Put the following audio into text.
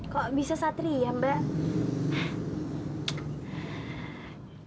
kok bisa satria mbak